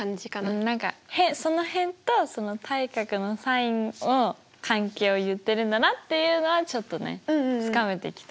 うん何かその辺とその対角のｓｉｎを関係を言ってるんだなっていうのはちょっとねつかめてきた。